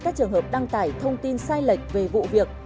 các trường hợp đăng tải thông tin sai lệch về vụ việc